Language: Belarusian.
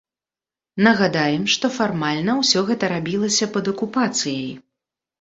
Нагадаем, што фармальна ўсё гэта рабілася пад акупацыяй!